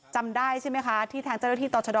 จำได้ใช่ไหมคะที่ทางเจ้าหน้าที่ต่อชะดอ